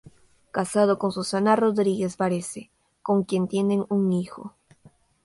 Casado con Susana Rodríguez Varese con quien tienen un hijo.